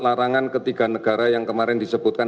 larangan ketiga negara yang kemarin disebutkan